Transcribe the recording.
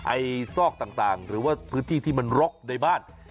ซอกต่างหรือว่าพื้นที่ที่มันรกในบ้าน